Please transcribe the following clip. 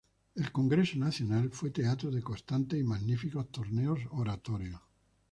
El Congreso Nacional fue teatro de constantes y magníficos torneos oratorios.